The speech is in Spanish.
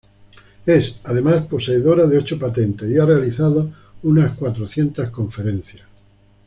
Es, además, poseedora de ocho patentes, y ha realizado unas cuatrocientas conferencias.